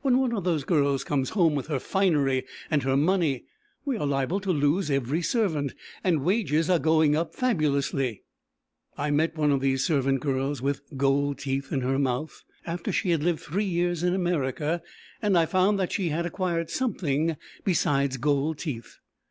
When one of those girls comes home with her finery and her money, we are liable to lose every servant; and wages are going up fabulously." I met one of these servant girls "with gold teeth in her mouth" after she had lived three years in America, and I found that she had acquired something besides gold teeth.